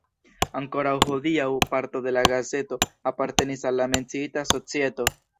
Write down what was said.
Ankoraŭ hodiaŭ parto de la gazeto apartenis al la menciita societo.